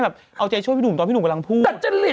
แต่จะหลีบแล้วพี่น่ารัดพูดกูไม่แจ้งอะไร